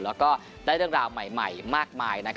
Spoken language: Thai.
แล้วก็ได้ดังหน่าวใหม่มากมาย